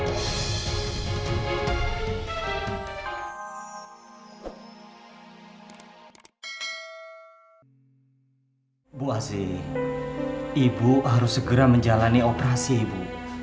ibu asi ibu harus segera menjalani operasi ibu